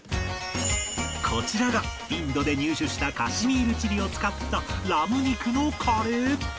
こちらがインドで入手したカシミールチリを使ったラム肉のカレー